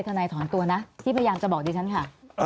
ทนายถอนตัวนะที่พยายามจะบอกดิฉันค่ะ